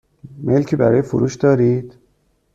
ملکی برای فروش دارید؟